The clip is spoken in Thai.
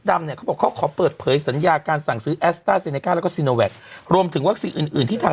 ดำเนี้ยเขาบอกเขาขอเปิดเผยสัญญาการสั่งซื้อแล้วก็รวมถึงว่าสิ่งอื่นอื่นที่ทาง